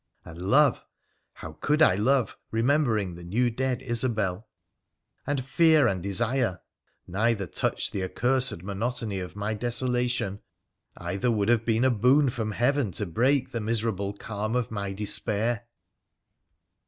And love !— how could I love, remember ing the new dead Isobel ?— and fear and desire ! neither touched the accursed monotony of my desolation ; either would have been a boon from Heaven to break the miserable calm of my despair